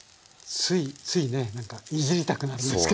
ついついねなんかいじりたくなるんですけど。